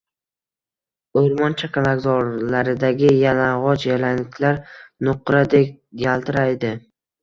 O`rmon chakalakzorlaridagi yalang`och yalangliklar nuqradek yaltiraydi